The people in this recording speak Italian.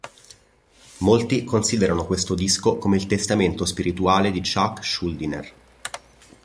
Molti considerano questo disco come il testamento spirituale di Chuck Schuldiner.